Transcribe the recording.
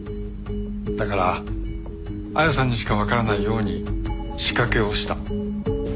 だから亜矢さんにしかわからないように仕掛けをした。